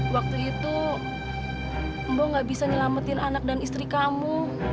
waktu itu mbo gak bisa nyelamatin anak dan istri kamu